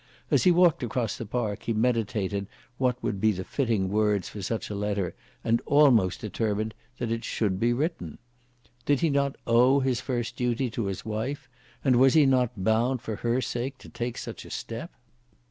As he walked across the park he meditated what would be the fitting words for such a letter, and almost determined that it should be written. Did he not owe his first duty to his wife, and was he not bound for her sake to take such a step?